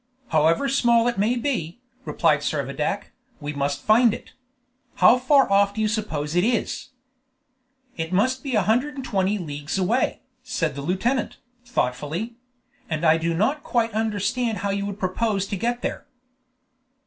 "However small it may be," replied Servadac, "we must find it. How far off do you suppose it is?" "It must be a hundred and twenty leagues away," said the lieutenant, thoughtfully; "and I do not quite understand how you would propose to get there."